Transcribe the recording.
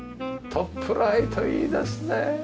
トップライトいいですねえ。